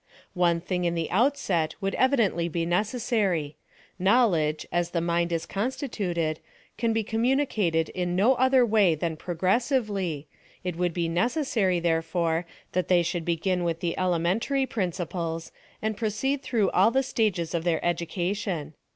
73 One thing in the outset would evidently be neces sary : knowledge, as the mind is constituted, can be communicated in no other way than progressively, it would be necessary, therefore, that they should begin with the elementary principles, and proceed throuofh all the staofes of their education.